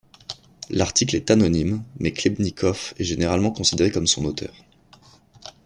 L'article est anonyme, mais Klebnikov est généralement considéré comme son auteur.